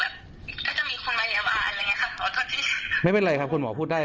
ตอนนี้ที่รู้สึกนะคะคือจริงหมอเหนื่อยมากอยู่แล้ว